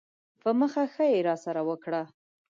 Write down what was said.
په مخه ښې یې راسره وکړه.